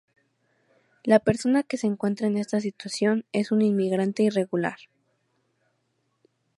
La persona que se encuentra en esta situación es un "inmigrante irregular".